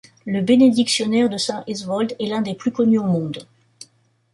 Le bénédictionnaire de saint Æthelwold est l'un des plus connus au monde.